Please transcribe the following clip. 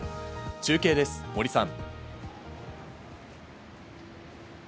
中継です、森さん。